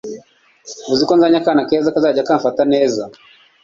nziko nzanye akana keza kazajya kamfata neza